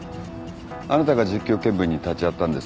あなたが実況見分に立ち会ったんですね？